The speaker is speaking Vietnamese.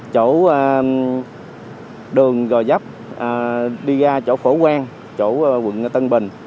chỗ đường gò dắp đi ra chỗ phổ quang chỗ quận tân bình